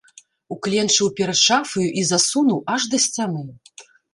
Укленчыў перад шафаю і засунуў аж да сцяны.